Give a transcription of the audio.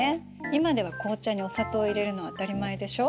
今では紅茶にお砂糖を入れるのは当たり前でしょ。